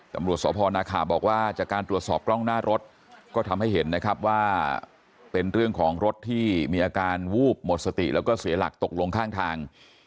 ตำรวจสพนาคาบอกว่าจากการตรวจสอบกล้องหน้ารถก็ทำให้เห็นนะครับว่าเป็นเรื่องของรถที่มีอาการวูบหมดสติแล้วก็เสียหลักตกลงข้างทาง